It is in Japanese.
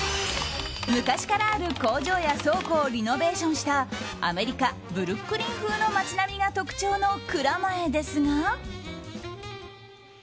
昔からある工場や倉庫をリノベーションしたアメリカブルックリン風の街並みが特徴の蔵前ですが。